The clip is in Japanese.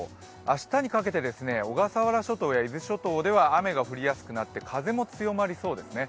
明日にかけて、小笠原諸島や伊豆諸島では雨が降りやすくなって風も強まりそうですね。